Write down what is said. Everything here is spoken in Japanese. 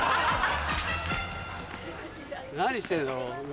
何してんだろう？